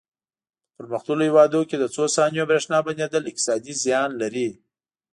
په پرمختللو هېوادونو کې د څو ثانیو برېښنا بندېدل اقتصادي زیان لري.